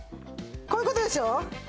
こういう事でしょ？